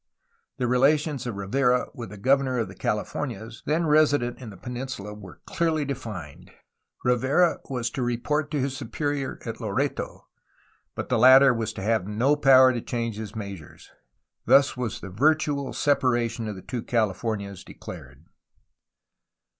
The relations of Rivera with the governor of the CaUfornias, then resident in the peninsula, were clearly defined. Rivera was to report to his superior at Loreto, but the latter was to have no power to change his measures; thus was the virtual separation of the two Californias declared.